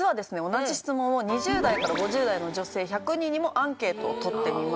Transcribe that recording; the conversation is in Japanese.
同じ質問を２０代から５０代の女性１００人にもアンケートを取ってみました。